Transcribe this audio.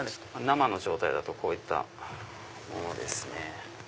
生の状態だとこういったものですね。